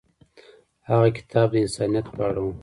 هغه کتاب د انسانیت په اړه و.